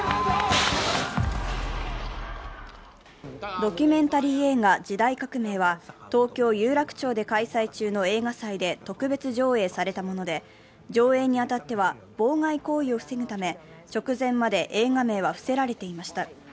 ドキュメンタリー映画「時代革命」は東京・有楽町で開催中の映画祭で特別上映されたもので、上映に当たっては妨害行為を防ぐため直前まで映画名は伏せられていました。